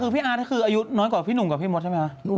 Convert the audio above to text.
พี่อาร์สอายุน้อยกว่าพี่หนุ่มกับพี่มดใช่มั้ยฮะ